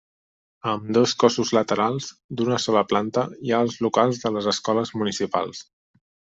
A ambdós cossos laterals, d'una sola planta, hi ha els locals de les Escoles Municipals.